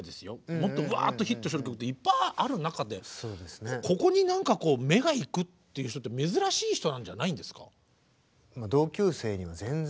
もっとうわっとヒットしてる曲っていっぱいある中でここに何か目がいくっていう人って珍しい人なんじゃないんですか？